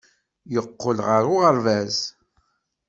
Yeqqel ɣer uɣerbaz.